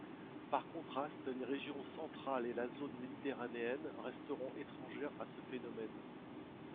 Par contraste, les régions centrales et la zone méditerranéenne resteront étrangères à ce phénomène.